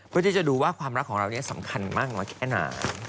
เพื่อที่จะดูว่าความรักของเรานี้สำคัญมากน้อยแค่ไหน